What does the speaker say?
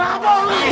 jangan lukue bau bau